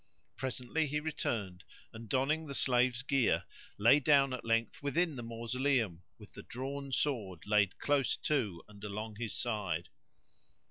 Presentry he returned and, donning the slave's gear, lay down at length within the mausoleum with the drawn sword laid close to and along his side.